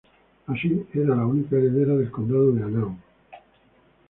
Así, era la única heredera del Condado de Hanau.